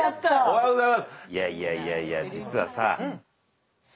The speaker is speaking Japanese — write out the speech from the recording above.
はい。